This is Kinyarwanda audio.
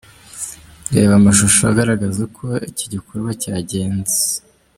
Reba amashusho agaragaza uko iki gikorwa cyagenze .